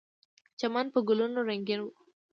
چمن په ګلونو رنګین و.